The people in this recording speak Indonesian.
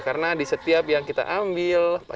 karena di setiap yang kita ambil kita akan menemukan banyak